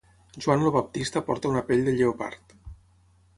Joan el Baptista porta una pell de lleopard.